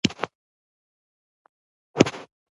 احمد خوب ولید